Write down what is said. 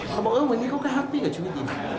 เขาบอกวันนี้ก็ก็ฮัฟพี่กับชีวิตดีนะ